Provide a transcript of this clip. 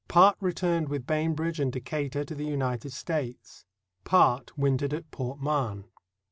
Part returned with Bainbridge and Decatur to the United States. Part wintered at Port Mahon.